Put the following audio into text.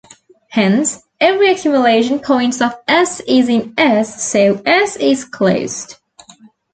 Hence, every accumulation point of "S" is in "S", so "S" is closed.